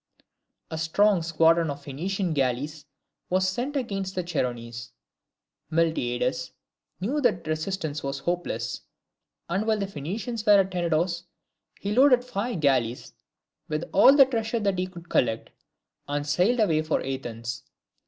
A strong squadron of Phoenician galleys was sent against the Chersonese. Miltiades knew that resistance was hopeless; and while the Phoenicians were at Tenedos, he loaded five galleys with all the treasure that he could collect, and sailed away for Athens.